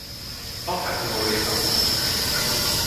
You don't have to worry about that.